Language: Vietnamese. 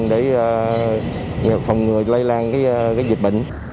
để phòng ngừa lây lan dịch bệnh